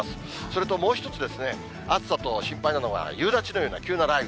それともう一つですね、暑さと心配なのが夕立のような急な雷雨。